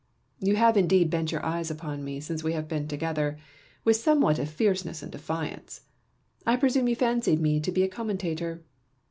You have indeed bent your eyes upon me, since we have been together, with somewhat of fierceness and defiance ; I presume you fancied me to be a commen tator.